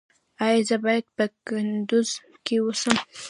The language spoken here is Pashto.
ایا زه باید په کندز کې اوسم؟